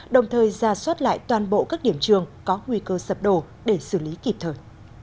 đồng thời ra soát lại toàn bộ các điểm trường có nguy cơ sập đổ để xử lý kịp thời